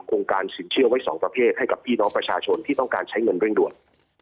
การสินเชื่อไว้๒ประเภทให้กับพี่น้องประชาชนที่ต้องการใช้เงินเร่งด่วน